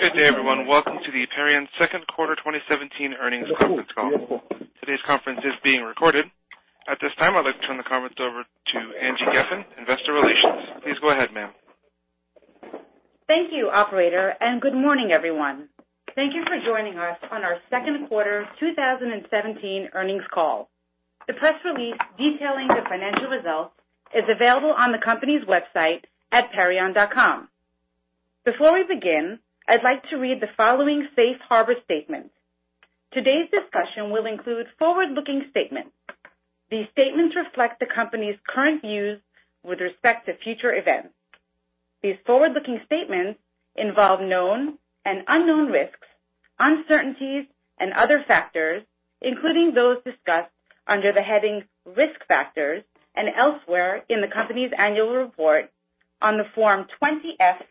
Good day everyone. Welcome to the Perion second quarter 2017 earnings conference call. Today's conference is being recorded. At this time, I'd like to turn the conference over to Angie Geffen, Investor Relations. Please go ahead, ma'am. Thank you, operator. Good morning, everyone. Thank you for joining us on our second quarter 2017 earnings call. The press release detailing the financial results is available on the company's website at perion.com. Before we begin, I'd like to read the following safe harbor statement. Today's discussion will include forward-looking statements. These statements reflect the company's current views with respect to future events. These forward-looking statements involve known and unknown risks, uncertainties, and other factors, including those discussed under the headings "Risk Factors" and elsewhere in the company's annual report on the Form 20-F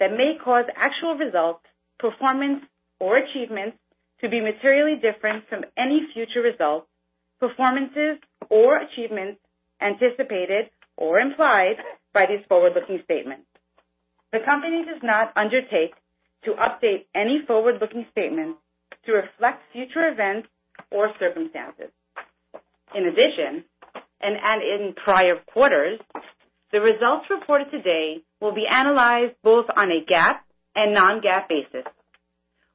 that may cause actual results, performance, or achievements to be materially different from any future results, performances, or achievements anticipated or implied by these forward-looking statements. The company does not undertake to update any forward-looking statements to reflect future events or circumstances. In addition, as in prior quarters, the results reported today will be analyzed both on a GAAP and non-GAAP basis.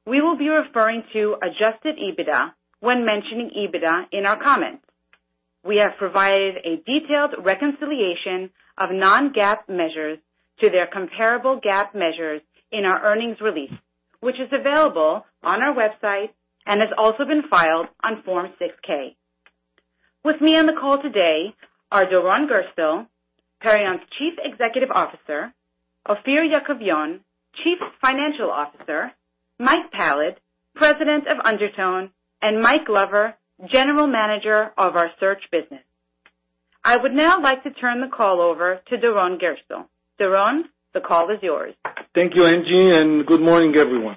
We will be referring to adjusted EBITDA when mentioning EBITDA in our comments. We have provided a detailed reconciliation of non-GAAP measures to their comparable GAAP measures in our earnings release, which is available on our website and has also been filed on Form 6-K. With me on the call today are Doron Gerstel, Perion's Chief Executive Officer, Ofir Yaakovion, Chief Financial Officer, Mike Pallad, President of Undertone, and Mike Glover, General Manager of our Search business. I would now like to turn the call over to Doron Gerstel. Doron, the call is yours. Thank you, Angie. Good morning, everyone.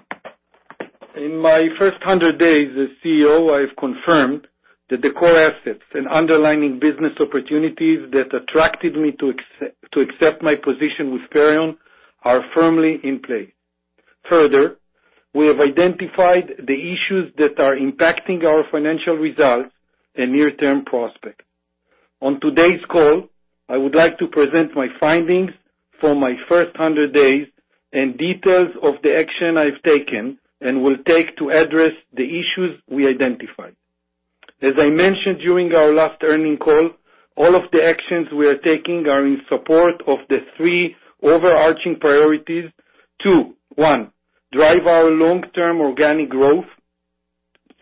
In my first 100 days as CEO, I've confirmed that the core assets and underlying business opportunities that attracted me to accept my position with Perion are firmly in place. Further, we have identified the issues that are impacting our financial results and near-term prospect. On today's call, I would like to present my findings for my first 100 days and details of the action I've taken and will take to address the issues we identified. As I mentioned during our last earnings call, all of the actions we are taking are in support of the three overarching priorities. One. Drive our long-term organic growth.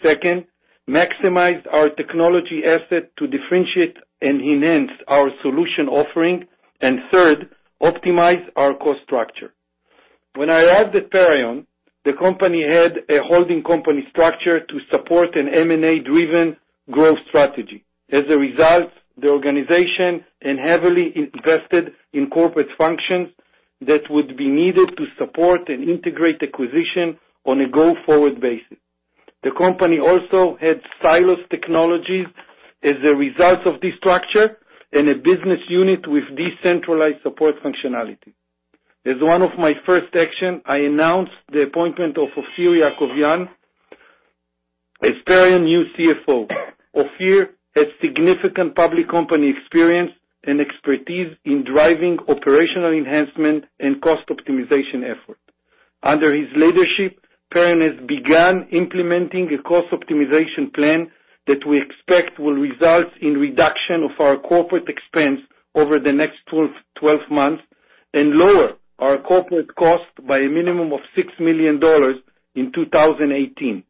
Second. Maximize our technology asset to differentiate and enhance our solution offering. Third. Optimize our cost structure. When I arrived at Perion, the company had a holding company structure to support an M&A-driven growth strategy. As a result, the organization heavily invested in corporate functions that would be needed to support an integrated acquisition on a go-forward basis. The company also had siloed technology as a result of this structure, and a business unit with decentralized support functionality. As one of my first actions, I announced the appointment of Ofir Yaakovion as Perion's new CFO. Ofir has significant public company experience and expertise in driving operational enhancement and cost optimization efforts. Under his leadership, Perion has begun implementing a cost optimization plan that we expect will result in reduction of our corporate expense over the next 12 months and lower our corporate cost by a minimum of $6 million in 2018.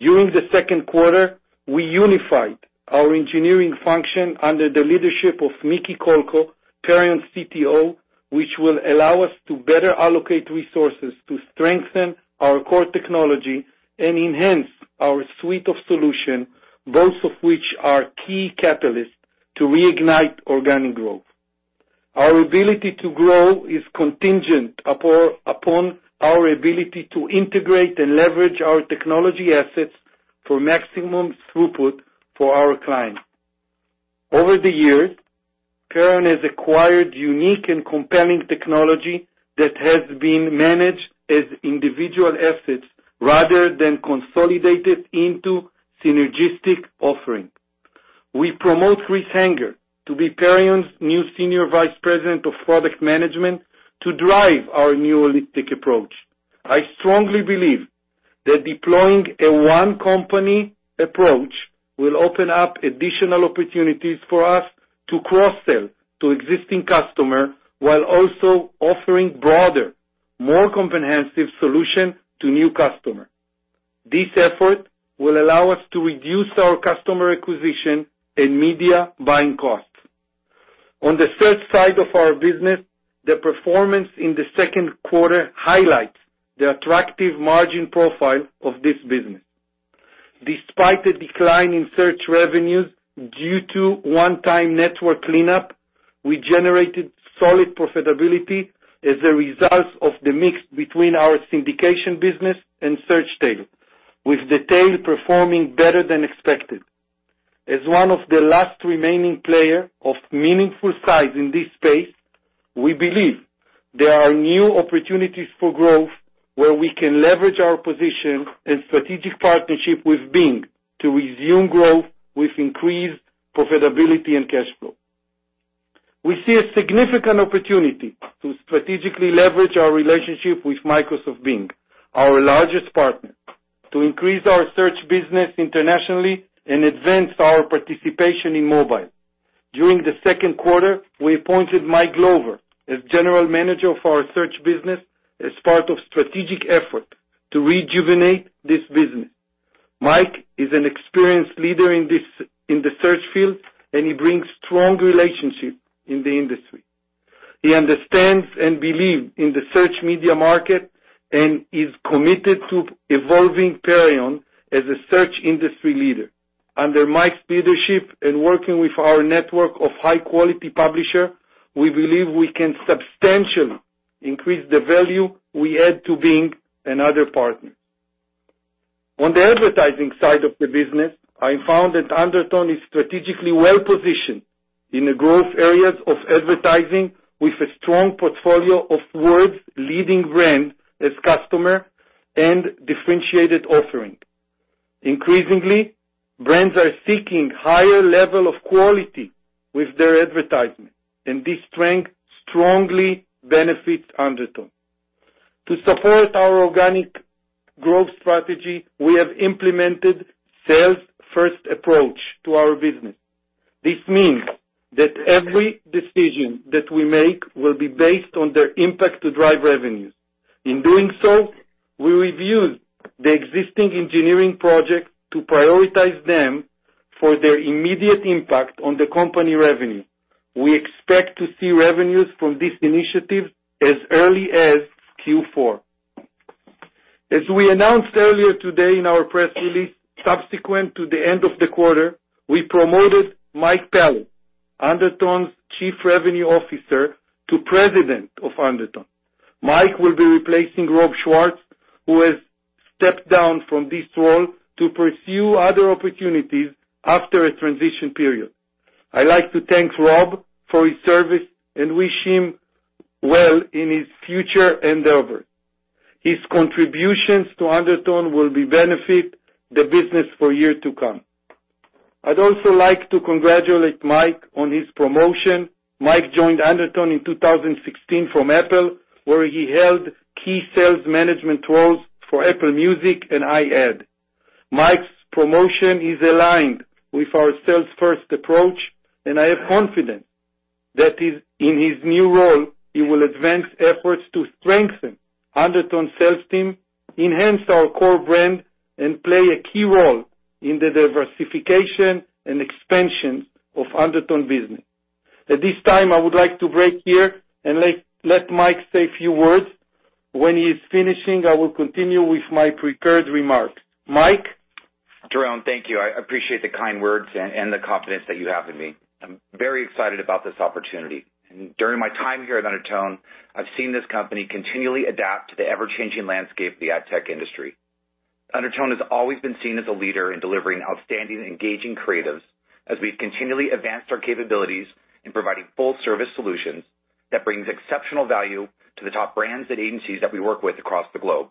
During the second quarter, we unified our engineering function under the leadership of Miki Kolko, Perion's CTO, which will allow us to better allocate resources to strengthen our core technology and enhance our suite of solutions, both of which are key catalysts to reignite organic growth. Our ability to grow is contingent upon our ability to integrate and leverage our technology assets for maximum throughput for our clients. Over the years, Perion has acquired unique and compelling technology that has been managed as individual assets rather than consolidated into synergistic offerings. We promote Chris Hanger to be Perion's new Senior Vice President of Product Management to drive our new holistic approach. I strongly believe that deploying a one-company approach will open up additional opportunities for us to cross-sell to existing customers while also offering broader, more comprehensive solutions to new customers. This effort will allow us to reduce our customer acquisition and media buying costs. On the search side of our business, the performance in the second quarter highlights the attractive margin profile of this business. Despite a decline in search revenues due to one-time network cleanup, we generated solid profitability as a result of the mix between our syndication business and search tail, with the tail performing better than expected. As one of the last remaining players of meaningful size in this space, we believe there are new opportunities for growth where we can leverage our position and strategic partnership with Bing to resume growth with increased profitability and cash flow. We see a significant opportunity to strategically leverage our relationship with Microsoft Bing, our largest partner, to increase our search business internationally and advance our participation in mobile. During the second quarter, we appointed Mike Glover as General Manager of our Search business as part of strategic efforts to rejuvenate this business. Mike is an experienced leader in the search field, and he brings strong relationships in the industry. He understands and believes in the search media market, and is committed to evolving Perion as a search industry leader. Under Mike's leadership and working with our network of high-quality publishers, we believe we can substantially increase the value we add to Bing and other partners. On the advertising side of the business, I found that Undertone is strategically well-positioned in the growth areas of advertising with a strong portfolio of world's leading brands as customers and differentiated offerings. Increasingly, brands are seeking higher levels of quality with their advertisements, and this strongly benefits Undertone. To support our organic growth strategy, we have implemented sales-first approach to our business. This means that every decision that we make will be based on their impact to drive revenues. In doing so, we reviewed the existing engineering project to prioritize them for their immediate impact on the company revenue. We expect to see revenues from this initiative as early as Q4. As we announced earlier today in our press release, subsequent to the end of the quarter, we promoted Mike Pallad, Undertone's Chief Revenue Officer, to President of Undertone. Mike will be replacing Rob Schwartz, who has stepped down from this role to pursue other opportunities after a transition period. I'd like to thank Rob for his service and wish him well in his future endeavors. His contributions to Undertone will benefit the business for years to come. I'd also like to congratulate Mike on his promotion. Mike joined Undertone in 2016 from Apple, where he held key sales management roles for Apple Music and iAd. Mike's promotion is aligned with our sales-first approach, and I have confidence that in his new role, he will advance efforts to strengthen Undertone sales team, enhance our core brand, and play a key role in the diversification and expansion of Undertone business. At this time, I would like to break here and let Mike say a few words. When he is finishing, I will continue with my prepared remarks. Mike? Doron, thank you. I appreciate the kind words and the confidence that you have in me. I'm very excited about this opportunity. During my time here at Undertone, I've seen this company continually adapt to the ever-changing landscape of the ad tech industry. Undertone has always been seen as a leader in delivering outstanding, engaging creatives as we've continually advanced our capabilities in providing full service solutions that brings exceptional value to the top brands and agencies that we work with across the globe.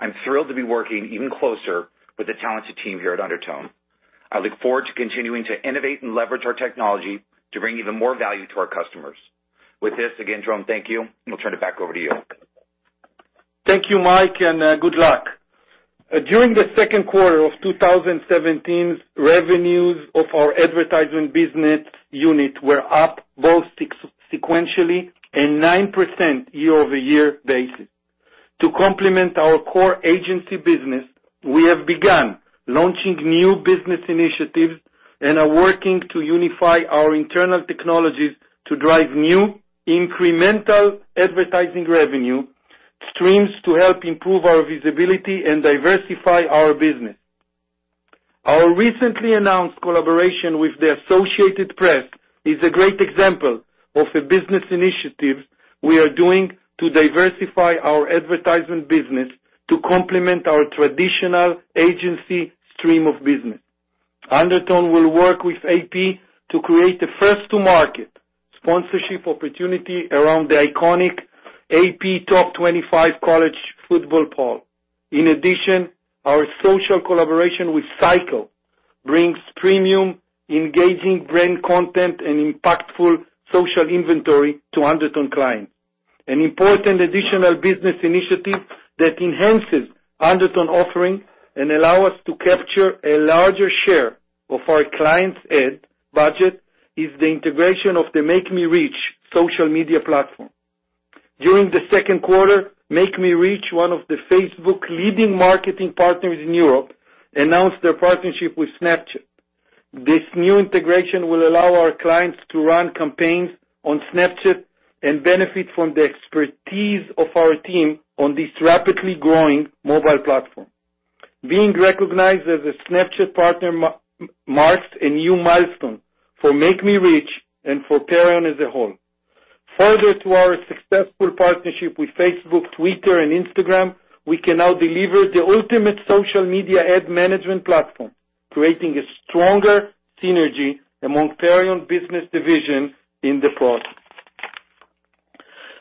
I'm thrilled to be working even closer with the talented team here at Undertone. I look forward to continuing to innovate and leverage our technology to bring even more value to our customers. With this, again, Doron, thank you, and we'll turn it back over to you. Thank you, Mike, and good luck. During the second quarter of 2017, revenues of our advertising business unit were up both sequentially and 9% year-over-year basis. To complement our core agency business, we have begun launching new business initiatives and are working to unify our internal technologies to drive new incremental advertising revenue streams to help improve our visibility and diversify our business. Our recently announced collaboration with the Associated Press is a great example of a business initiative we are doing to diversify our advertisement business to complement our traditional agency stream of business. Undertone will work with AP to create the first to market sponsorship opportunity around the iconic AP Top 25 College Football Poll. Our social collaboration with Cycle brings premium, engaging brand content, and impactful social inventory to Undertone clients. An important additional business initiative that enhances Undertone offering and allow us to capture a larger share of our clients' ad budget is the integration of the MakeMeReach social media platform. During the second quarter, MakeMeReach, one of the Facebook leading marketing partners in Europe, announced their partnership with Snapchat. This new integration will allow our clients to run campaigns on Snapchat and benefit from the expertise of our team on this rapidly growing mobile platform. Being recognized as a Snapchat partner marks a new milestone for MakeMeReach and for Perion as a whole. Further to our successful partnership with Facebook, Twitter, and Instagram, we can now deliver the ultimate social media ad management platform, creating a stronger synergy among Perion business division in the process.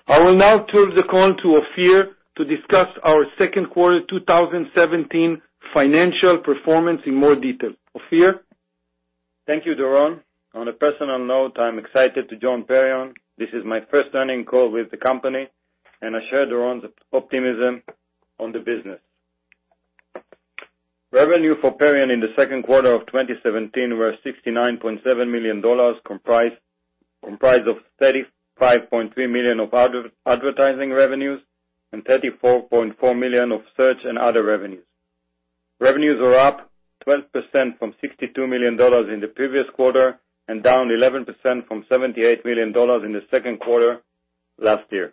I will now turn the call to Ofir to discuss our second quarter 2017 financial performance in more detail. Ofir? Thank you, Doron. On a personal note, I'm excited to join Perion. This is my first earning call with the company, and I share Doron's optimism on the business. Revenue for Perion in the second quarter of 2017 were $69.7 million, comprised of $35.3 million of advertising revenues and $34.4 million of search and other revenues. Revenues were up 12% from $62 million in the previous quarter, and down 11% from $78 million in the second quarter last year.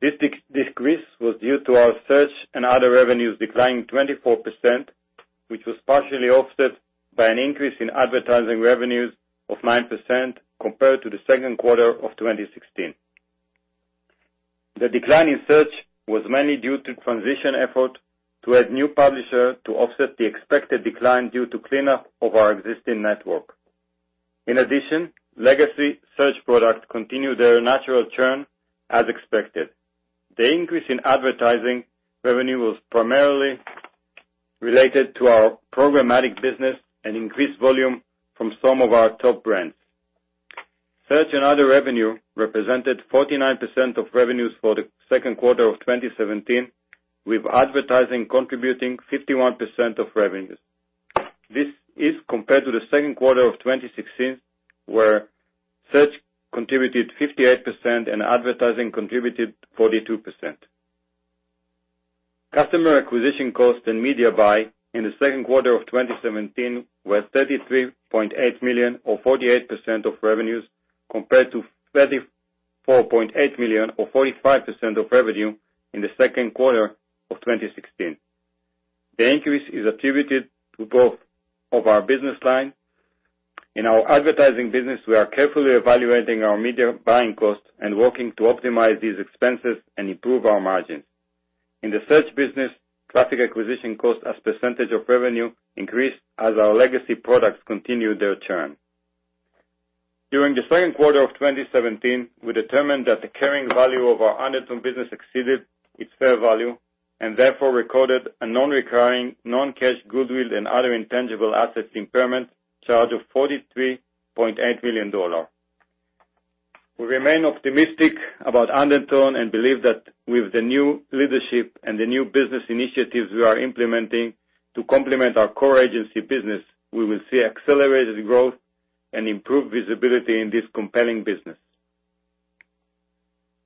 This decrease was due to our search and other revenues declining 24%, which was partially offset by an increase in advertising revenues of 9% compared to the second quarter of 2016. The decline in search was mainly due to transition effort to add new publisher to offset the expected decline due to cleanup of our existing network. In addition, legacy search products continue their natural churn as expected. The increase in advertising revenue was primarily related to our programmatic business and increased volume from some of our top brands. Search and other revenue represented 49% of revenues for the second quarter of 2017, with advertising contributing 51% of revenues. This is compared to the second quarter of 2016, where search contributed 58% and advertising contributed 42%. Customer acquisition costs and media buy in the second quarter of 2017 were $33.8 million or 48% of revenues, compared to $34.8 million or 45% of revenue in the second quarter of 2016. The increase is attributed to both of our business line. In our advertising business, we are carefully evaluating our media buying costs and working to optimize these expenses and improve our margins. In the search business, traffic acquisition cost as percentage of revenue increased as our legacy products continued their churn. During the second quarter of 2017, we determined that the carrying value of our Undertone business exceeded its fair value and therefore recorded a non-recurring non-cash goodwill and other intangible assets impairment charge of $43.8 million. We remain optimistic about Undertone and believe that with the new leadership and the new business initiatives we are implementing to complement our core agency business, we will see accelerated growth and improved visibility in this compelling business.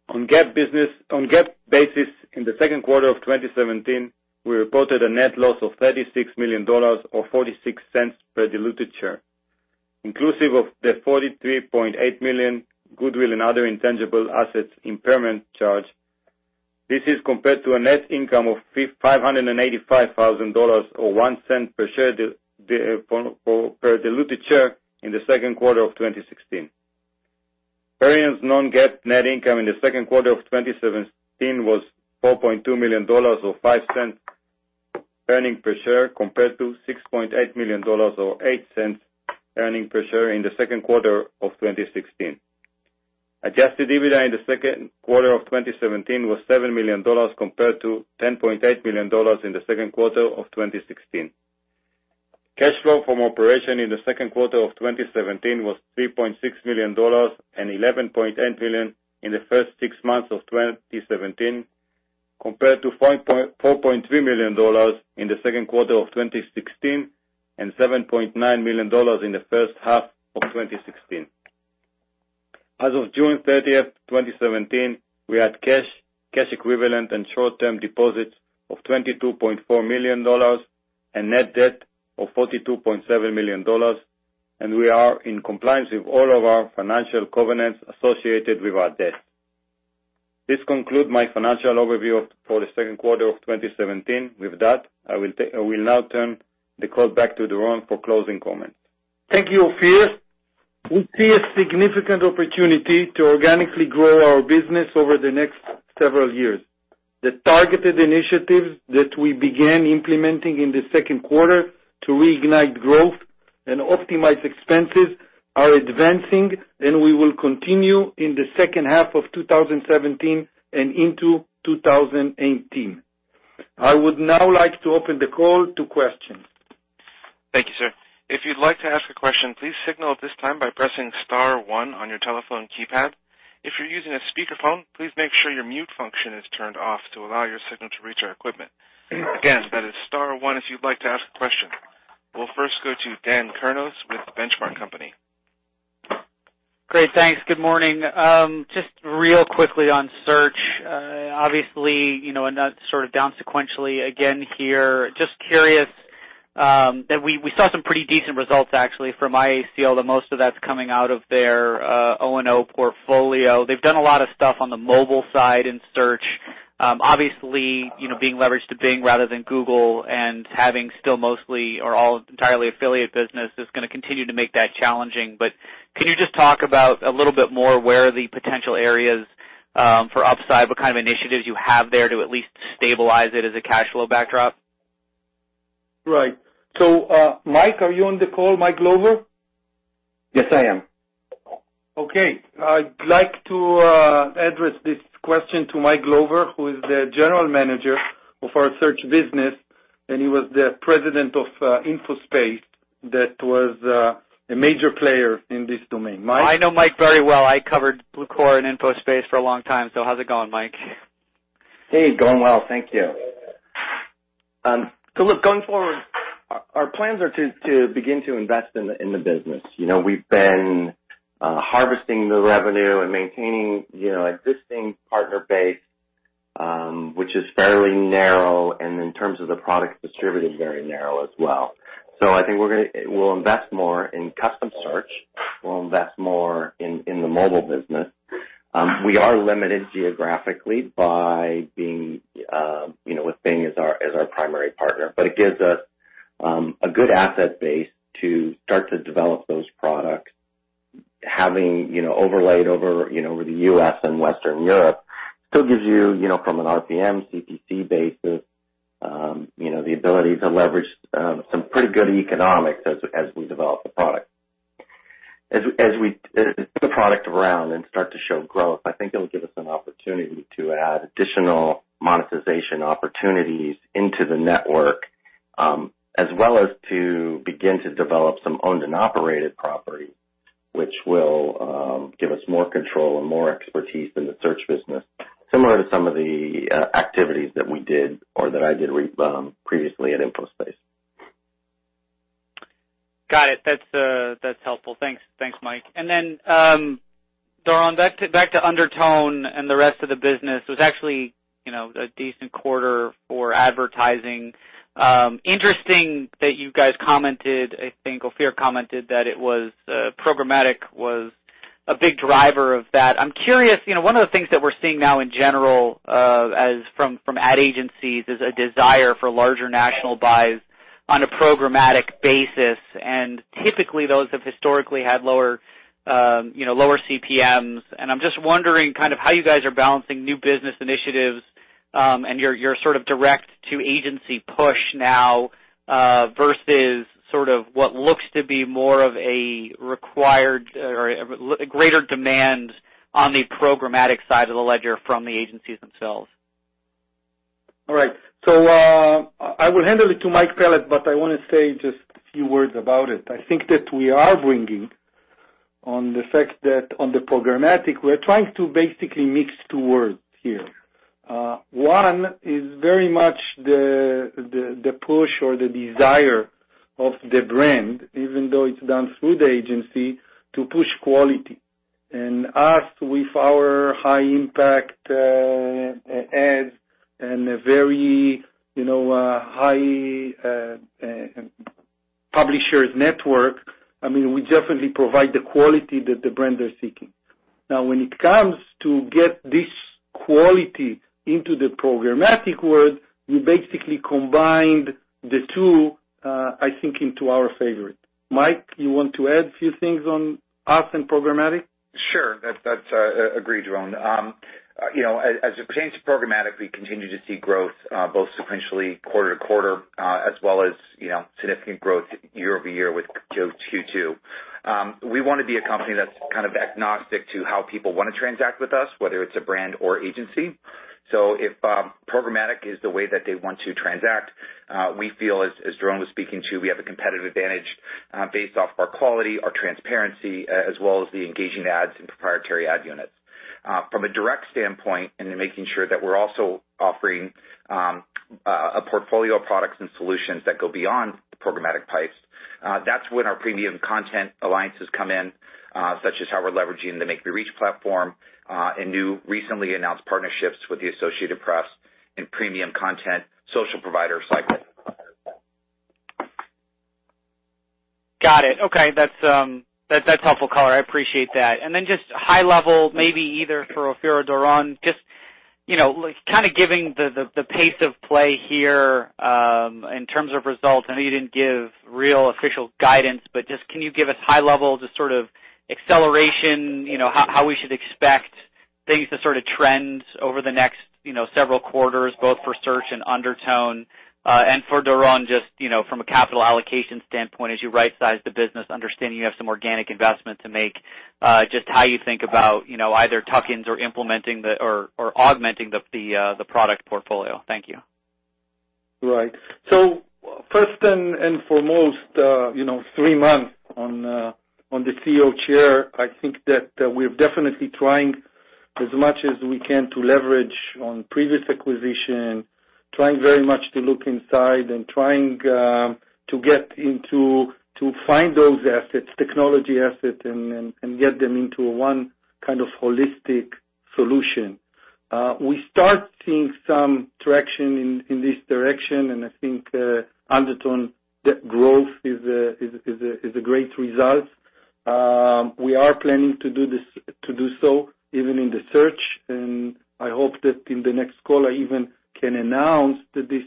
On GAAP basis in the second quarter of 2017, we reported a net loss of $36 million or $0.46 per diluted share, inclusive of the $43.8 million goodwill and other intangible assets impairment charge. This is compared to a net income of $585,000 or $0.01 per diluted share in the second quarter of 2016. Perion's non-GAAP net income in the second quarter of 2017 was $4.2 million or $0.05 earning per share compared to $6.8 million or $0.08 earning per share in the second quarter of 2016. Adjusted EBITDA in the second quarter of 2017 was $7 million compared to $10.8 million in the second quarter of 2016. Cash flow from operation in the second quarter of 2017 was $3.6 million and $11.8 million in the first six months of 2017 compared to $4.3 million in the second quarter of 2016 and $7.9 million in the first half of 2016. As of June 30th, 2017, we had cash equivalent and short-term deposits of $22.4 million and net debt of $42.7 million, and we are in compliance with all of our financial covenants associated with our debt. This conclude my financial overview for the second quarter of 2017. With that, I will now turn the call back to Doron for closing comments. Thank you, Ofir. We see a significant opportunity to organically grow our business over the next several years. The targeted initiatives that we began implementing in the second quarter to reignite growth and optimize expenses are advancing, and we will continue in the second half of 2017 and into 2018. I would now like to open the call to questions. Thank you, sir. If you'd like to ask a question, please signal at this time by pressing star one on your telephone keypad. If you're using a speakerphone, please make sure your mute function is turned off to allow your signal to reach our equipment. Again, that is star one if you'd like to ask a question. We'll first go to Dan Kurnos with The Benchmark Company. Great. Thanks. Good morning. Just real quickly on search. Obviously, that's sort of down sequentially again here. Just curious, we saw some pretty decent results actually from IAC, although most of that's coming out of their O&O portfolio. They've done a lot of stuff on the mobile side in search. Obviously, being leveraged to Bing rather than Google and having still mostly or all entirely affiliate business is going to continue to make that challenging. Can you just talk about a little bit more where the potential areas for upside, what kind of initiatives you have there to at least stabilize it as a cash flow backdrop? Right. Mike, are you on the call, Mike Glover? Yes, I am. Okay. I'd like to address this question to Mike Glover, who is the General Manager of our search business, and he was the President of InfoSpace. That was a major player in this domain. Mike? I know Mike very well. I covered Blucora and InfoSpace for a long time. How's it going, Mike? Hey, going well. Thank you. Look, going forward, our plans are to begin to invest in the business. We've been harvesting the revenue and maintaining existing partner base, which is fairly narrow, and in terms of the product, distributed very narrow as well. I think we'll invest more in custom search. We'll invest more in the mobile business. We are limited geographically by being with Bing as our primary partner. It gives us a good asset base to start to develop those products, having overlay over the U.S. and Western Europe still gives you from an RPM, CPC basis, the ability to leverage some pretty good economics as we develop the product. As we put the product around and start to show growth, I think it'll give us an opportunity to add additional monetization opportunities into the network, as well as to begin to develop some owned and operated property, which will give us more control and more expertise in the search business, similar to some of the activities that we did or that I did previously at InfoSpace. Got it. That's helpful. Thanks, Mike. Doron, back to Undertone and the rest of the business. It was actually a decent quarter for advertising. Interesting that you guys commented, I think Ofir commented that programmatic was a big driver of that. I'm curious, one of the things that we're seeing now in general, from ad agencies, is a desire for larger national buys on a programmatic basis, and typically those have historically had lower CPMs. I'm just wondering how you guys are balancing new business initiatives, and your sort of direct-to-agency push now, versus sort of what looks to be more of a required or a greater demand on the programmatic side of the ledger from the agencies themselves. All right. I will handle it to Mike Pallad, but I want to say just a few words about it. I think that we are bringing on the fact that on the programmatic, we're trying to basically mix two worlds here. One is very much the push or the desire of the brand, even though it's done through the agency to push quality. Us with our high impact ads and a very high publishers network, we definitely provide the quality that the brand is seeking. When it comes to get this quality into the programmatic world, we basically combined the two, I think, into our favorite. Mike, you want to add few things on us and programmatic? Sure. Agreed, Doron. As it pertains to programmatic, we continue to see growth, both sequentially quarter-to-quarter, as well as significant growth year-over-year with Q2. We want to be a company that's kind of agnostic to how people want to transact with us, whether it's a brand or agency. If programmatic is the way that they want to transact, we feel, as Doron was speaking to, we have a competitive advantage, based off our quality, our transparency, as well as the engaging ads and proprietary ad units. From a direct standpoint, and then making sure that we're also offering a portfolio of products and solutions that go beyond programmatic pipes, that's when our premium content alliances come in, such as how we're leveraging the MakeMeReach platform, and new recently announced partnerships with the Associated Press in premium content social providers like. Got it. Okay. That's helpful color. I appreciate that. Just high level, maybe either for Ophir or Doron, just kind of giving the pace of play here, in terms of results. I know you didn't give real official guidance, but just can you give us high level, just sort of acceleration, how we should expect things to sort of trend over the next several quarters, both for search and Undertone? For Doron, just from a capital allocation standpoint, as you right-size the business, understanding you have some organic investment to make, just how you think about either tuck-ins or implementing or augmenting the product portfolio. Thank you. Right. First and foremost, three months on the CEO chair, I think that we're definitely trying as much as we can to leverage on previous acquisition, trying very much to look inside and trying to get in to find those assets, technology assets, and get them into one kind of holistic solution. We start seeing some traction in this direction, and I think Undertone growth is a great result. We are planning to do so even in the Search, and I hope that in the next call I even can announce that this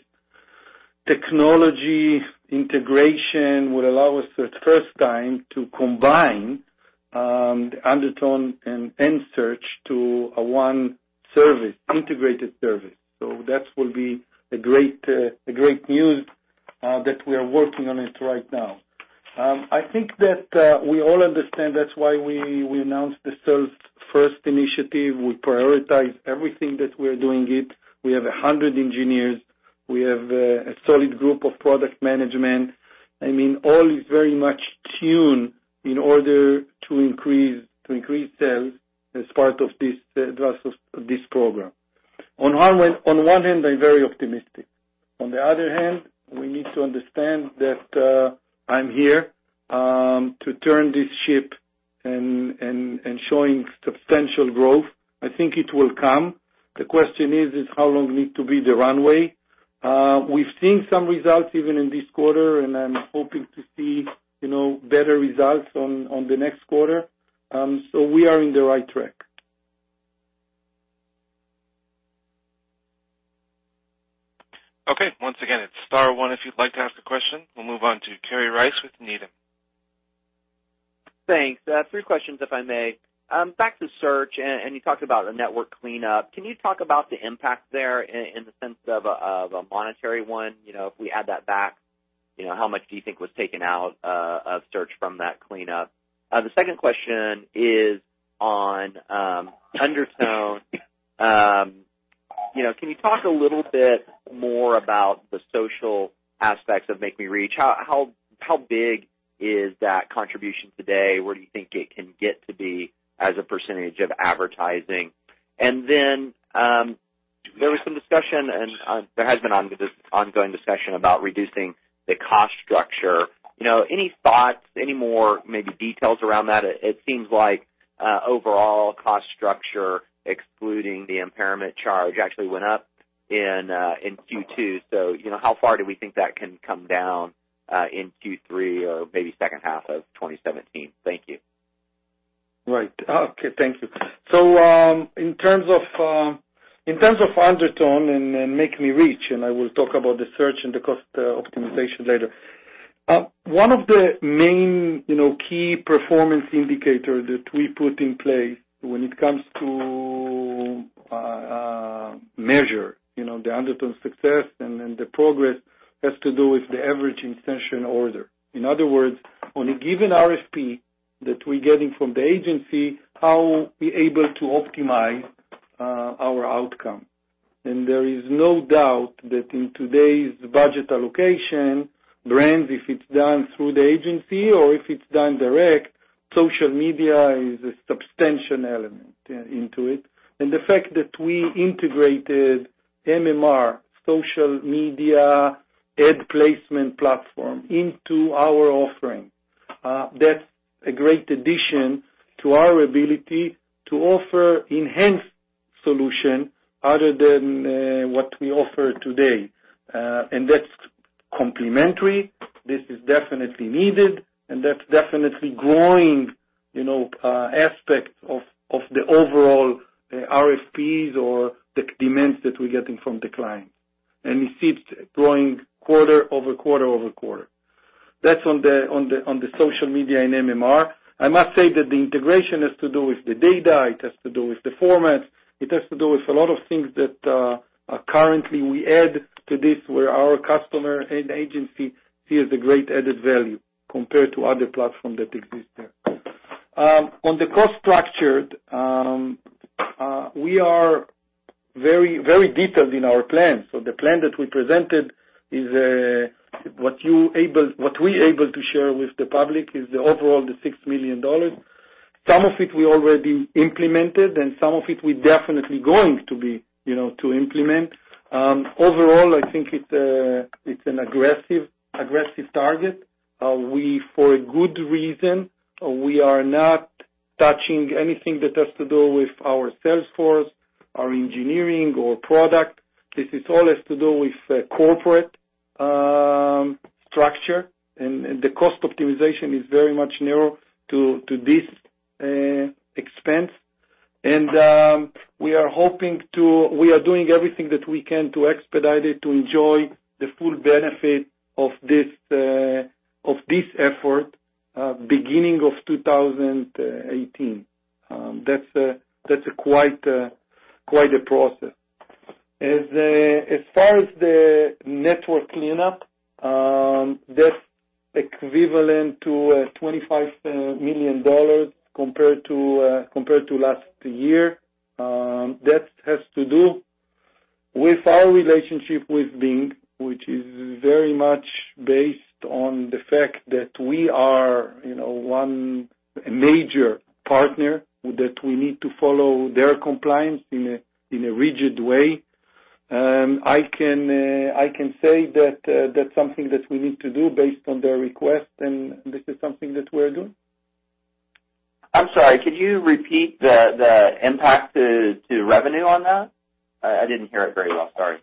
technology integration will allow us for the first time to combine the Undertone and Search to a one integrated service. That will be a great news that we are working on it right now. I think that we all understand that's why we announced the Sales First Initiative. We prioritize everything that we're doing it. We have 100 engineers. We have a solid group of product management. All is very much tuned in order to increase sales as part of this program. On one hand, I'm very optimistic. On the other hand, we need to understand that I'm here to turn this ship and showing substantial growth. I think it will come. The question is how long need to be the runway? We've seen some results even in this quarter, and I'm hoping to see better results on the next quarter. We are in the right track. Okay. Once again, it's star one if you'd like to ask a question. We'll move on to Kerry Rice with Needham. Thanks. Three questions if I may. Back to Search, and you talked about a network cleanup. Can you talk about the impact there in the sense of a monetary one? If we add that back, how much do you think was taken out of Search from that cleanup? The second question is on Undertone. Can you talk a little bit more about the social aspects of MakeMeReach? How big is that contribution today? Where do you think it can get to be as a percentage of advertising? Then, there was some discussion, and there has been ongoing discussion about reducing the cost structure. Any thoughts, any more maybe details around that? It seems like overall cost structure, excluding the impairment charge, actually went up in Q2. How far do we think that can come down in Q3 or maybe second half of 2017? Thank you. Right. Okay. Thank you. In terms of Undertone and MakeMeReach, I will talk about the search and the cost optimization later. One of the main key performance indicator that we put in place when it comes to measure the Undertone success and the progress has to do with the average in-session order. In other words, on a given RFP that we're getting from the agency, how we able to optimize our outcome. There is no doubt that in today's budget allocation, brands, if it's done through the agency or if it's done direct, social media is a substantial element into it. The fact that we integrated MMR, social media ad placement platform into our offering, that's a great addition to our ability to offer enhanced solution other than what we offer today. That's complimentary. This is definitely needed, and that's definitely growing aspect of the overall RFPs or the demands that we're getting from the clients. We see it growing quarter over quarter over quarter. That's on the social media and MMR. I must say that the integration has to do with the data, it has to do with the format, it has to do with a lot of things that currently we add to this, where our customer and agency sees a great added value compared to other platform that exists there. On the cost structure, we are very detailed in our plan. The plan that we presented, what we able to share with the public is the overall, the $6 million. Some of it we already implemented, and some of it we definitely going to implement. Overall, I think it's an aggressive target. For a good reason, we are not touching anything that has to do with our sales force, our engineering or product. This is all has to do with corporate structure, the cost optimization is very much narrow to this expense. We are doing everything that we can to expedite it, to enjoy the full benefit of this effort beginning of 2018. That's quite a process. As far as the network cleanup, that's equivalent to $25 million compared to last year. That has to do with our relationship with Bing, which is very much based on the fact that we are one major partner that we need to follow their compliance in a rigid way. I can say that that's something that we need to do based on their request, this is something that we are doing. I'm sorry, could you repeat the impact to revenue on that? I didn't hear it very well. Sorry.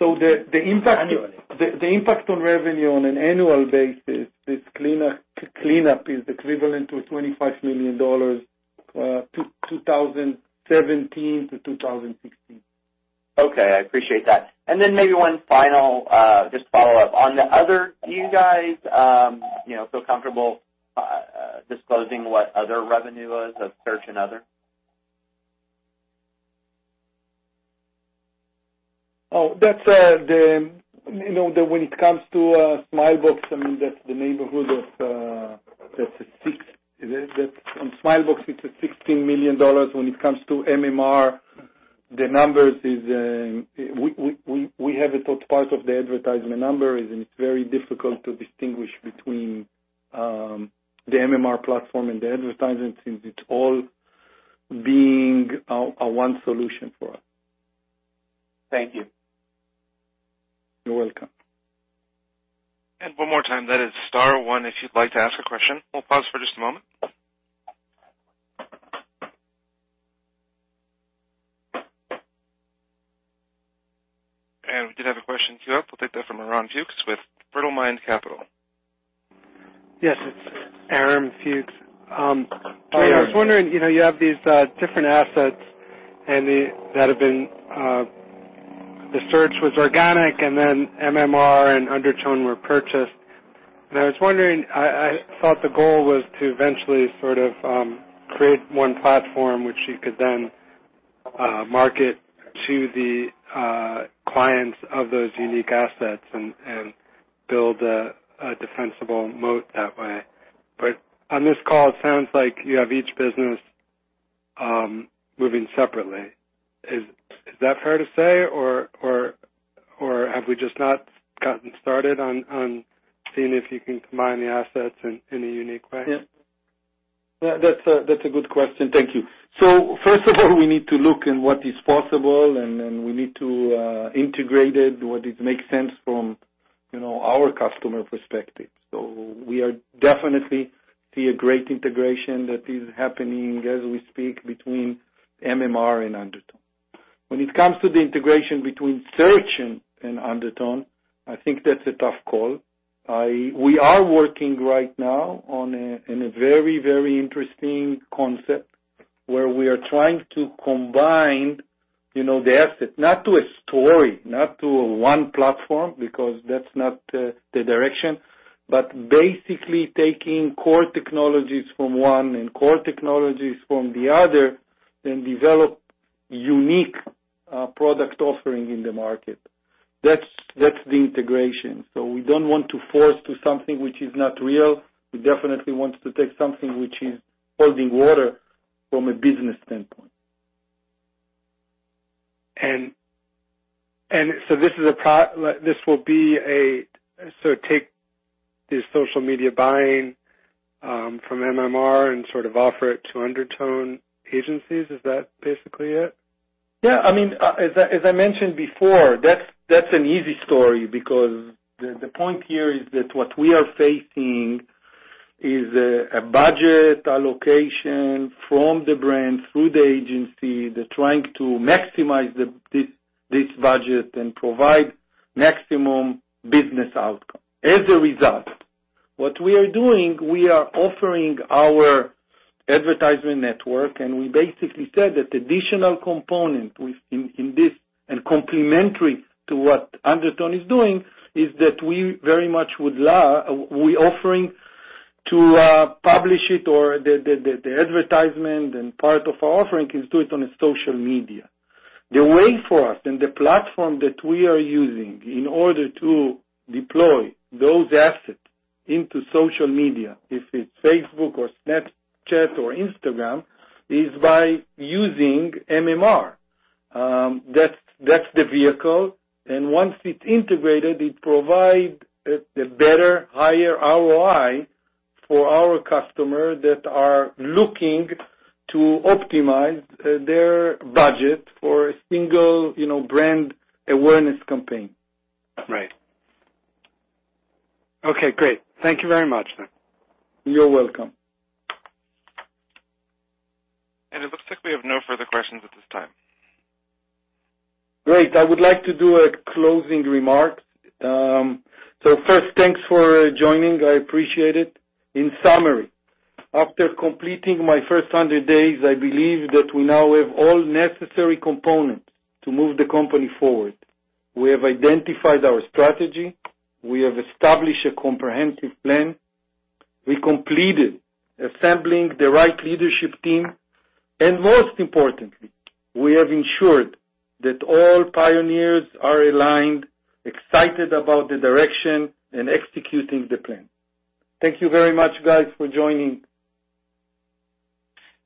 The impact on revenue on an annual basis, this cleanup is equivalent to $25 million, 2017 to 2016. Okay, I appreciate that. Maybe one final just follow-up. On the other, do you guys feel comfortable disclosing what other revenue was of search and other? When it comes to Smilebox, that's in the neighborhood of $16 million. When it comes to MMR, we have it as part of the advertisement number, and it's very difficult to distinguish between the MMR platform and the advertisement since it's all being a one solution for us. Thank you. You're welcome. One more time, that is star one if you'd like to ask a question. We'll pause for just a moment. We did have a question queue up. I'll take that from Aaron Fuchs with Brittle Mind Capital. Yes, it's Aaron Fuchs. Hi, Aaron. I was wondering, you have these different assets and the search was organic, then MMR and Undertone were purchased. I was wondering, I thought the goal was to eventually sort of create one platform which you could then market to the clients of those unique assets and build a defensible moat that way. On this call, it sounds like you have each business moving separately. Is that fair to say, or have we just not gotten started on seeing if you can combine the assets in a unique way? Yeah. That's a good question. Thank you. First of all, we need to look in what is possible, and we need to integrate it, whether it makes sense from our customer perspective. We are definitely see a great integration that is happening as we speak between MMR and Undertone. When it comes to the integration between search and Undertone, I think that's a tough call. We are working right now on a very interesting concept where we are trying to combine the assets, not to a story, not to one platform, because that's not the direction, but basically taking core technologies from one and core technologies from the other, then develop unique product offering in the market. That's the integration. We don't want to force to something which is not real. We definitely want to take something which is holding water from a business standpoint. This will be a sort of take the social media buying from MMR and sort of offer it to Undertone agencies, is that basically it? Yeah. As I mentioned before, that's an easy story because the point here is that what we are facing is a budget allocation from the brand through the agency. They're trying to maximize this budget and provide maximum business outcome as a result. What we are doing, we are offering our advertisement network, and we basically said that additional component in this and complementary to what Undertone is doing is that we very much would love, we offering to publish it or the advertisement and part of our offering is do it on a social media. The way for us and the platform that we are using in order to deploy those assets into social media, if it's Facebook or Snapchat or Instagram, is by using MMR. That's the vehicle, and once it's integrated, it provide a better higher ROI for our customer that are looking to optimize their budget for a single brand awareness campaign. Right. Okay, great. Thank you very much then. You're welcome. It looks like we have no further questions at this time. First, thanks for joining. I appreciate it. In summary, after completing my first 100 days, I believe that we now have all necessary components to move the company forward. We have identified our strategy, we have established a comprehensive plan, we completed assembling the right leadership team, and most importantly, we have ensured that all pioneers are aligned, excited about the direction, and executing the plan. Thank you very much, guys, for joining.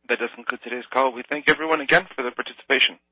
That does conclude today's call. We thank everyone again for their participation.